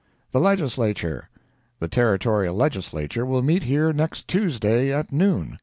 THE LEGISLATURE The Territorial Legislature will meet here next Tuesday at noon.